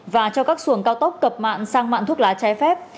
và cho các xuồng cao tốc cập mạng sang mạn thuốc lá trái phép